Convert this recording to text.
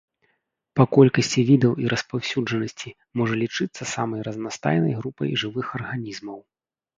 Па колькасці відаў і распаўсюджанасці можа лічыцца самай разнастайнай групай жывых арганізмаў.